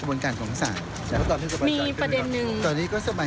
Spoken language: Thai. รถยังไม่ได้ไปเอา